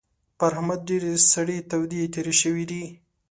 پر احمد ډېرې سړې تودې تېرې شوې دي.